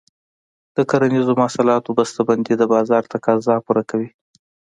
د کرنیزو محصولاتو بسته بندي د بازار تقاضا پوره کوي.